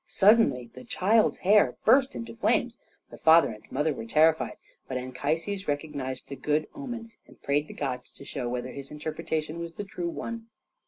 Suddenly the child's hair burst into flames. The father and mother were terrified, but Anchises recognised the good omen, and prayed the gods to show whether his interpretation was the true one.